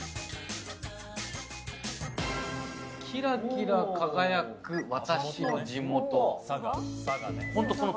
キラキラ輝く、私の地元。